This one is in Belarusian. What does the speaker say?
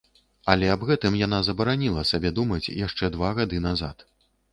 Але аб гэтым яна забараніла сабе думаць яшчэ два гады назад.